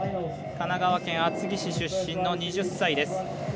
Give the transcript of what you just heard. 神奈川県厚木市出身の２０歳です。